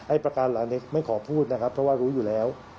ประการเหล่านี้ไม่ขอพูดนะครับเพราะว่ารู้อยู่แล้ว